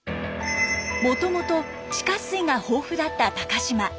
もともと地下水が豊富だった高島。